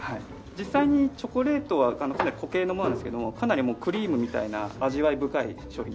実際にチョコレートは固形のものなんですけどもかなりもうクリームみたいな味わい深い商品になってます。